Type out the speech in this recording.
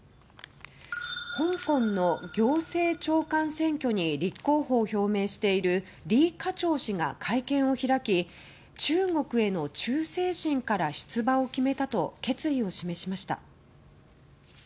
香港の行政長官選挙に立候補を表明しているリ・カチョウ氏が会見を開き中国への忠誠心から出馬を決めたと決意を示しました。